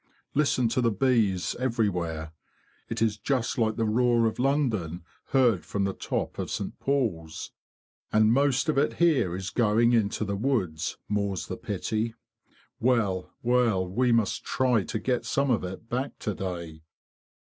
Listen to the bees everywhere—it is just like the roar of London heard from the top of St Paul's!) And most of it here is going into the woods, more's the pity. Well, well; we must try to get some of it back to day."